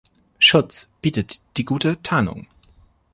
Schutz bietet die gute Tarnung.